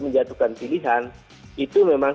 menjatuhkan pilihan itu memang